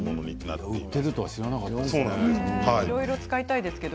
売っているとは知らなかったですね。